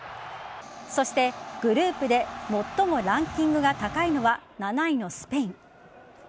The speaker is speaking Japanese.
そして、グループで最もランキングが高いのは７位のスペイン。